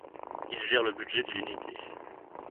Il gère le budget de l'unité.